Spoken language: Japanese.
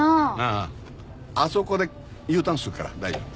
あそこでＵターンするから大丈夫。